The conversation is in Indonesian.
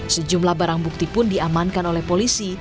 sejumlah barang bukti pun diamankan oleh polisi